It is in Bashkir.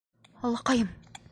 Аллаҡайым!